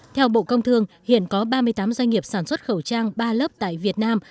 theo bộ công thương hiện có ba mươi tám doanh nghiệp sản xuất khẩu trang ba lớp tại việt nam